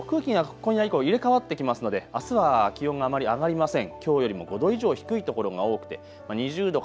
また予想最高気温、見てみますと空気が今夜以降、入れ替わってきますのであすは気温があまり上がりません。